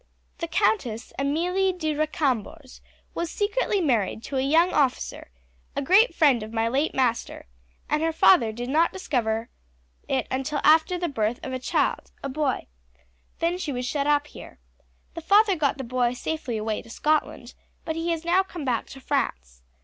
The Countess Amelie de Recambours was secretly married to a young officer, a great friend of my late master, and her father did not discover it until after the birth of a child a boy. Then she was shut up here. The father got the boy safely away to Scotland, but he has now come back to France.